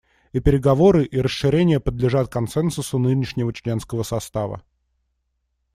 И переговоры, и расширение подлежат консенсусу нынешнего членского состава.